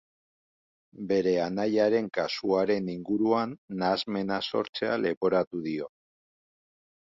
Bere anaiaren kasuaren inguruan nahasmena sortzea leporatu dio.